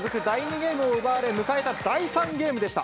ゲームを奪われ、迎えた第３ゲームでした。